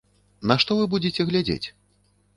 На што вы будзеце глядзець?